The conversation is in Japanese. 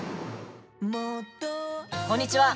こんにちは。